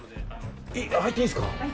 入っていいんですか。